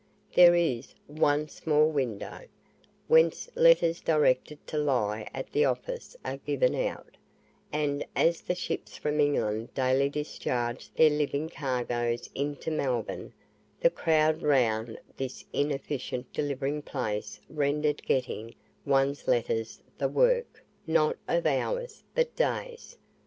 There is but ONE SMALL WINDOW, whence letters directed to lie at the office are given out; and as the ships from England daily discharged their living cargoes into Melbourne, the crowd round this inefficient delivering place rendered getting one's letters the work, not of hours, but days.